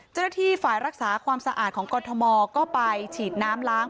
เจ้าหน้าที่ฝ่ายรักษาความสะอาดของกรทมก็ไปฉีดน้ำล้าง